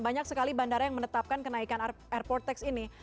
banyak sekali bandara yang menetapkan kenaikan airport tax ini